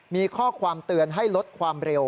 มีข้อความเตือนให้ลดความเร็ว